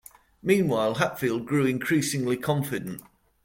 Meanwhile, Hatfield grew increasingly confident.